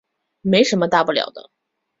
没什么大不了的